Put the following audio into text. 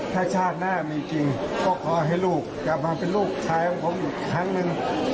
ถ้าชาติหน้ามีจริงก็ขอให้ลูกกลับมาเป็นลูกชายของผมอีกครั้งหนึ่ง